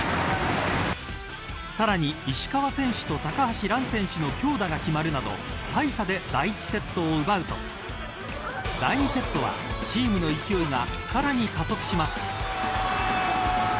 さらに、石川選手と高橋藍選手の強打が決まるなど大差で第１セットを奪うと第２セットは、チームの勢いがさらに加速します。